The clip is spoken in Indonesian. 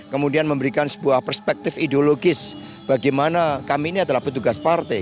kemudian memberikan sebuah perspektif ideologis bagaimana kami ini adalah petugas partai